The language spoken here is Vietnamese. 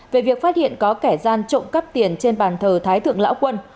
về việc phát hiện có kẻ gian trộm cắp tiền trên bàn thờ thái thượng lão quân